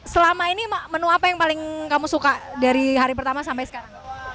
selama ini menu apa yang paling kamu suka dari hari pertama sampai sekarang